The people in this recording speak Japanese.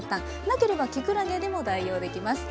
なければきくらげでも代用できます。